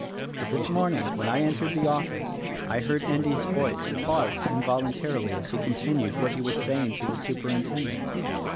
But this morning, when I entered the office, I heard Endy's voice and paused involuntarily as he continued what he was saying to the Superintendent.